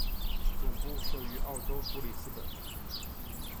总部设于澳洲布里斯本。